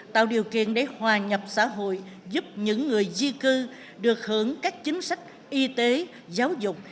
tạo điều kiện để hòa nhập xã hội giúp những người di cư được hưởng các chính sách y tế giáo dục